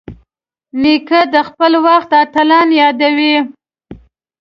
نیکه د خپل وخت اتلان یادوي.